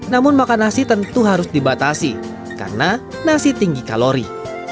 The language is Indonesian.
namun makan nasi tentu harus dibatasi karena nasi tinggi kalori